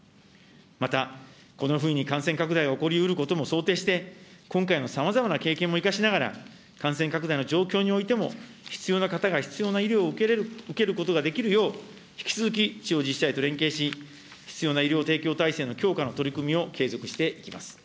また、この冬に感染拡大が起こりうることも想定して、今回のさまざまな経験も生かしながら、感染拡大の状況においても、必要な方が必要な医療を受けることができるよう引き続き地方自治体と連携し、必要な医療提供体制の強化の取り組みを継続していきます。